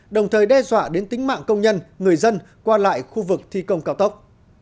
đồng thời đe dọa đến tính mạng công nhân người dân qua lại khu vực thi công cao tốc